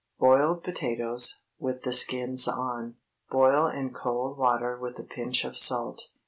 BOILED POTATOES (with the skins on.) Boil in cold water with a pinch of salt.